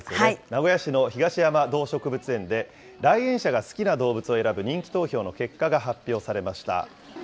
名古屋市の東山動植物園で、来園者が好きな動物を選ぶ人気投票の結果が発表されました。